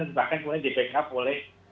dan kemudian di backup oleh